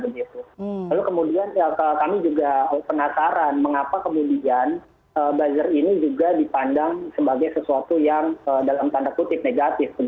lalu kemudian kami juga penasaran mengapa kemudian buzzer ini juga dipandang sebagai sesuatu yang dalam tanda kutip negatif